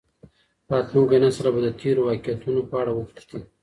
راتلونکی نسل به د تېرو واقعیتونو په اړه وپوښتي.